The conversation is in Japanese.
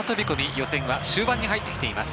予選は終盤に入ってきています。